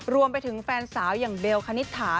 รวมไปถึงแฟนสาวอย่างเบลคณิตถา